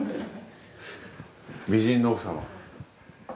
美人の奥様。